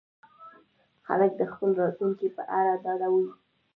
خلک د خپل راتلونکي په اړه ډاډه وي.